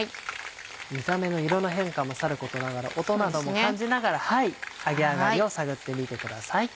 見た目の色の変化もさることながら音なども感じながら揚げ上がりを探ってみてください。